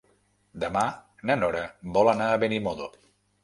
Demà na Nora vol anar a Benimodo.